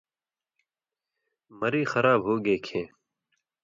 مری خراب ہُوگے کھیں